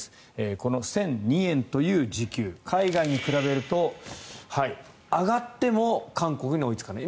この１００２円という時給海外と比べると上がっても韓国に追いつかない。